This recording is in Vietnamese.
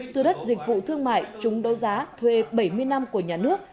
từ đất dịch vụ thương mại chúng đấu giá thuê bảy mươi năm của nhà nước